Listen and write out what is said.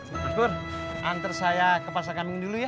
pak dur antar saya ke pasar kambing dulu ya